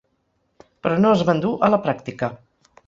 Però no es van dur a la pràctica.